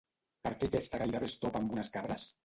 Per què aquesta gairebé es topa amb unes cabres?